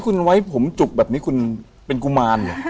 คุณไว้ผมจุกแบบนี้เป็นกุมาร